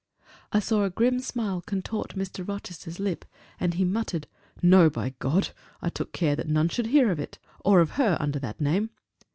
I saw a grim smile contort Mr. Rochester's lip, and he muttered, "No, by God! I took care that none should hear of it, or of her under that name."